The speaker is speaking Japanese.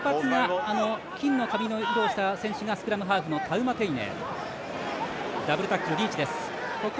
金の髪の色をした選手がスクラムハーフのタウマテイネ。